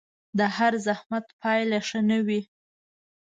د هر زحمت پايله ښه نه وي